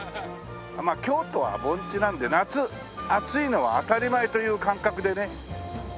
まあ京都は盆地なんで夏暑いのは当たり前という感覚でね行けばね。